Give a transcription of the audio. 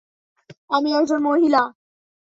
আমি একজন মহিলা।